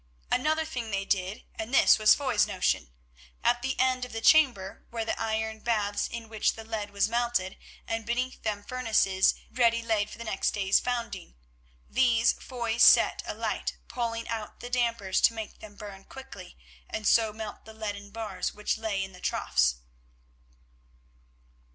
Another thing they did, and this was Foy's notion. At the end of the chamber were the iron baths in which the lead was melted, and beneath them furnaces ready laid for the next day's founding. These Foy set alight, pulling out the dampers to make them burn quickly, and so melt the leaden bars which lay in the troughs.